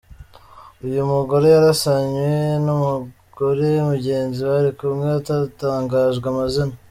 Uyu mugore yarasanywe n’ umugore mugenzi bari kumwe utatangajwe amazina.